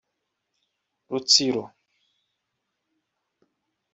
Rutsiro